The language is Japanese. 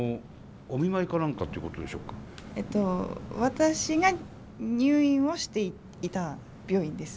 私が入院をしていた病院です。